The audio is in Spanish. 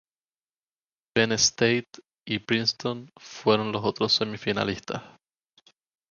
Penn State y Princeton fueron los otros semifinalistas.